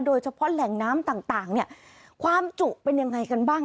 โดยเฉพาะแหล่งน้ำต่างเนี่ยความจุเป็นยังไงกันบ้าง